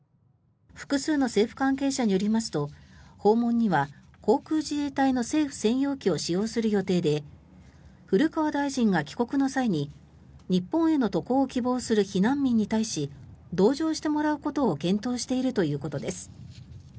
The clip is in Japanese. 複数の政府関係者によりますと訪問には航空自衛隊の政府専用機を使用する予定で古川大臣が帰国の際に日本への渡航を希望する避難民に対し同乗してもらうことを検討しているということです。